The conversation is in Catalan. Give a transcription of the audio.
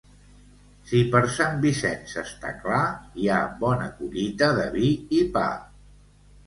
Si per Sant Vicenç està clar, hi ha bona collita de vi i pa.